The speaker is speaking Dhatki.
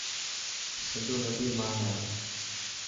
سنڌو نڌي ما هي.